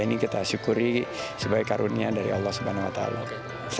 ya ini kita syukuri sebagai karunia dari allah subhanahu wa ta'ala